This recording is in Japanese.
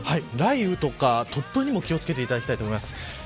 雷雨や突風にも気を付けていただきたいと思います。